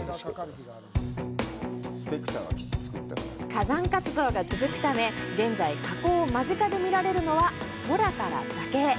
火山活動が続くため、現在火口を間近で見られるのは空からだけ。